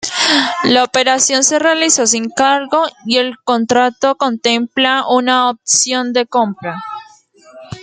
La operación se realizó sin cargo y el contrato contempla una opción de compra.